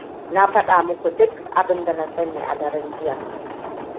Na fada muku duk abinda na sani a daren jiya.